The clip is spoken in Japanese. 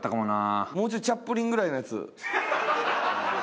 もうちょいチャップリンぐらいのやつ。